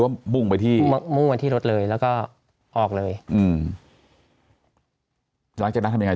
มอวงไปที่มูกมือที่รถแล้วก็ออกเลยหลังจากนั้นทำยังไง